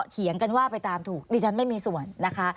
ดิฉันไม่มีส่วน